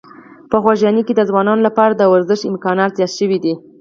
په خوږیاڼي کې د ځوانانو لپاره د ورزش امکانات زیات شوي دي.